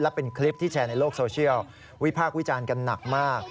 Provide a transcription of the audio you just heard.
และเป็นคลิปที่แชร์ในโลกโซเชียลวิพากษ์วิจารณ์กันหนักมาก